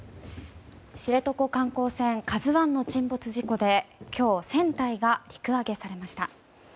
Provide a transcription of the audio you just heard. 知床観光船「ＫＡＺＵ１」の沈没事故で今日、船体が陸揚げされました。